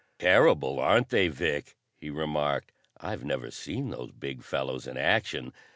"Terrible, aren't they, Vic?" he remarked. "I've never seen those big fellows in action.